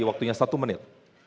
waktunya satu menit